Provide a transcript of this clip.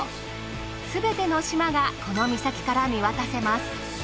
すべての島がこの岬から見渡せます。